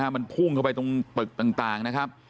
มันพุ่งเข้าไปตรงตึกต่าง